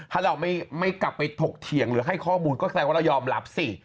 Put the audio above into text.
ถ้าเราไม่กลับไปถกเถียงหรือให้ข้อมูลก็แสดงว่าเรายอมรับสิ